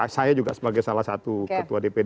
saya juga sebagai salah satu ketua dpd